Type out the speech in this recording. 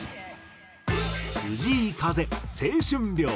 藤井風『青春病』。